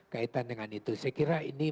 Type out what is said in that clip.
kaitan dengan itu saya kira ini